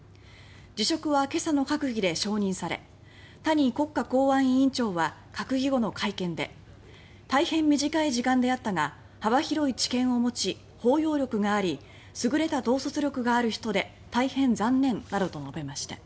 辞職は今朝の閣議で承認され谷国家公安委員長は閣議後の会見で「大変短い時間であったが幅広い知見を持ち、包容力があり優れた統率力ある人で大変残念」などと述べました。